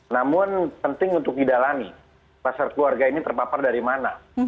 namun penting untuk didalami kluster keluarga ini terpapar dari mana